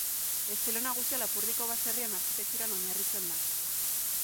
Estilo nagusia Lapurdiko baserrien arkitekturan oinarritzen da.